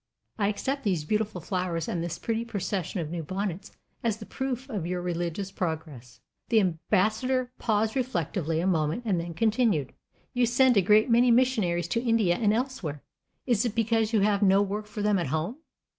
I accept these beautiful flowers and this pretty procession of new bonnets as the proof of your religious progress." The Ambassador paused reflectively a moment, and then continued: "You send a great many missionaries to India and elsewhere. Is it because you have no work for them at home?